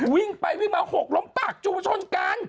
วิ่งไปวิ่งมาหกล้มปากจูชนกัน